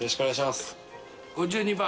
５２番。